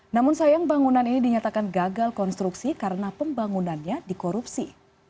namun sayang bangunan ini dinyatakan gagal konstruksi karena pembangunannya dikorupsi